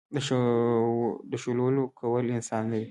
د شولو لو کول اسانه وي.